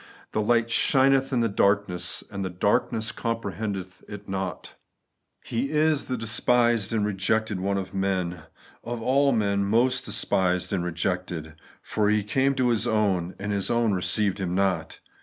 The light shineth in the darkness, and the darkness comprehendeth it not 'Ho is (the) despised and rejected (one) of men ;' i.e, of all men, the most despised and rejected : for He came to His own, and His own received Him not.